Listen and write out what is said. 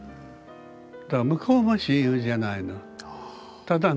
だから向こうも親友じゃないの。